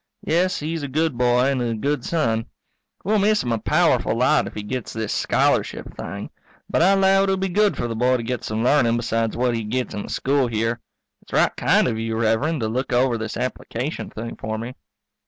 Yes, he's a good boy and a good son. We'll miss him a powerful lot if he gets this scholarship thing. But I 'low it'll be good for the boy to get some learnin' besides what he gets in the school here. It's right kind of you, Rev'rend, to look over this application thing for me.